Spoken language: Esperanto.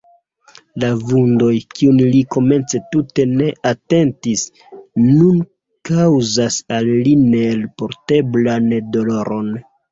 La vundoj, kiujn li komence tute ne atentis, nun kaŭzas al li neelporteblan doloron.